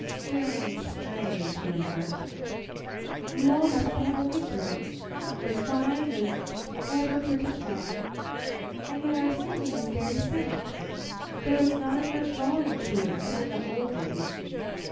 "'Strange, strange!' he remarked. 'You all have fine looking throats, as fine as ever crickets had, and yet our singing is very faint; there is not as much volume to it as in the old days.